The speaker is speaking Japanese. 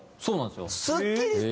そうなんですよ。